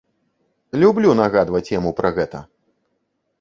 Люблю нагадваць яму пра гэта!